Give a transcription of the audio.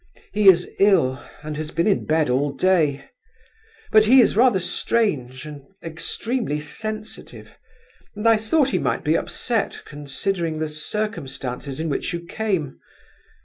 He is ill, and has been in bed all day. But he is rather strange, and extremely sensitive, and I thought he might be upset considering the circumstances in which you came...